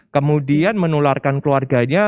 kemudian menularkan keluarganya